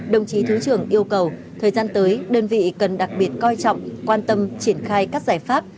đồng chí thứ trưởng yêu cầu thời gian tới đơn vị cần đặc biệt coi trọng quan tâm triển khai các giải pháp